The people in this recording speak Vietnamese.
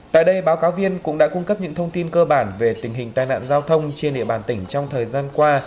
tại đây báo cáo viên cũng đã cung cấp những thông tin cơ bản về tình hình tai nạn giao thông trên địa bàn tỉnh trong thời gian qua